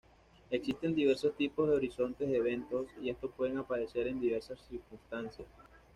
Existen diversos tipos de horizontes de eventos, y estos pueden aparecer en diversas circunstancias.